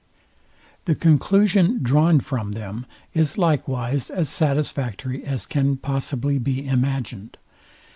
The conclusion drawn from them, is likewise as satisfactory as can possibly be imagined.